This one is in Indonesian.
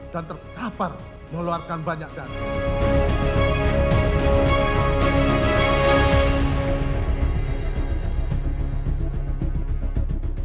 dan terkapar meluarkan banyak darah